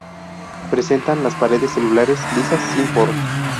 Presentan las paredes celulares lisas, sin poros.